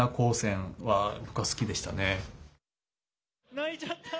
泣いちゃった。